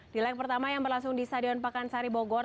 di leg pertama yang berlangsung di stadion pakansari bogor